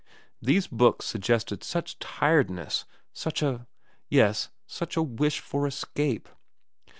These books suggested such tiredness, such a yes, such a wish for escape.